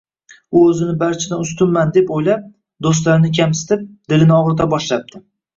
U oʻzini barchadan ustunman, deb oʻylab, doʻstlarini kamsitib, dilini ogʻrita boshlabdi